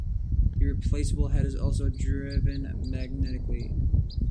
The replaceable head is also driven magnetically.